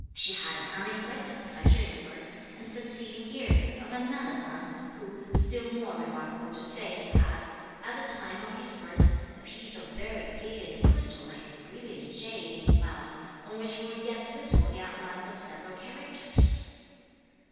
She had an unexpected (pleasure) in the birth, the succeeding year, of another son, who, still more remarkable to say, had, at the time of his birth, a piece of variegated and crystal like brilliant jade in his mouth, on which were yet visible the outlines of several characters.